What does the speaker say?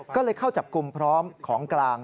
ก็เลยเข้าจับกลุ่มพร้อมของกลาง